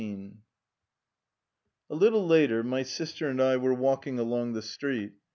XVIII A little later my sister and I were walking along the street.